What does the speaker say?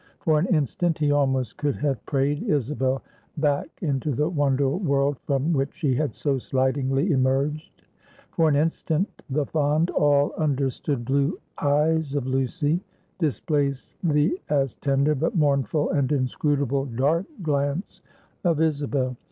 For an instant, he almost could have prayed Isabel back into the wonder world from which she had so slidingly emerged. For an instant, the fond, all understood blue eyes of Lucy displaced the as tender, but mournful and inscrutable dark glance of Isabel.